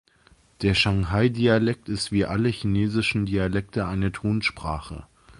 Der Shanghai-Dialekt ist wie alle chinesischen Dialekte eine Tonsprache.